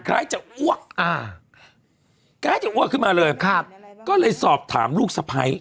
คล้ายจะอ้วกอ่าคล้ายจะอ้วกขึ้นมาเลยครับก็เลยสอบถามลูกสะพ้าย